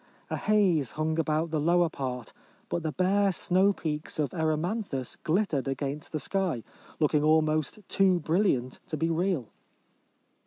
A haze hung about the lower part, but the bare snow peaks of Erymanthus glittered against the sky, looking almost too brilliant to be real.